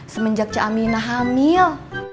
semenjak ciamina hamil